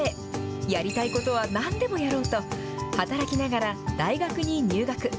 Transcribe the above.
やりたいことはなんでもやろうと働きながら大学に入学。